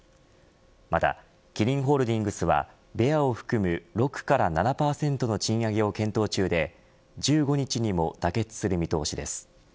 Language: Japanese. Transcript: またキリンホールディングスはベアを含む６から７％の賃上げを検討中で１５日にも妥結する見通しです。